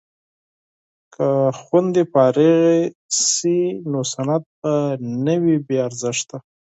که خویندې فارغې شي نو سند به نه وي بې ارزښته.